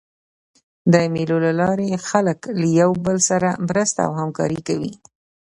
د مېلو له لاري خلک له یو بل سره مرسته او همکاري کوي.